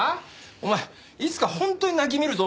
お前いつか本当に泣き見るぞ。